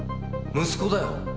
息子だよ。